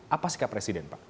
apa sikap presiden pak